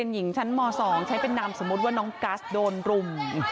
หญิงชั้นม๒ใช้เป็นนามสมมุติว่าน้องกัสโดนรุม